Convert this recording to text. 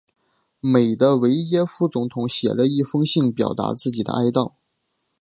美的维耶夫总统写了一封信表达自己的哀悼。